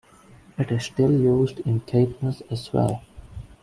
It is still used in Caithness as well.